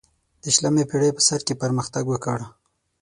د شلمې پیړۍ په سر کې پرمختګ وکړ.